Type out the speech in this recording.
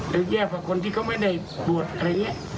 แย่กว่าคนที่เขาไม่ได้บวชอะไรอย่างนี้